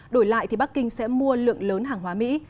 đổi lại bắc kinh sẽ mua lượng lớn hàng hóa mỹ